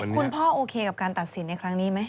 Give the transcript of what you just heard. คุณพ่อโอเคกับการตัดสินในครั้งนี้ไหม